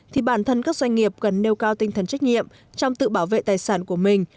thì bản thân các doanh nghiệp cần nêu cao tinh thần trách nhiệm trong tự bảo vệ tài sản của mình